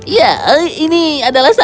ya ini adalah sasaran